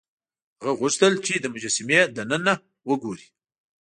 هغه غوښتل چې د مجسمې دننه وګوري.